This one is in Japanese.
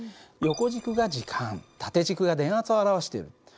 横軸が時間縦軸が電圧を表している。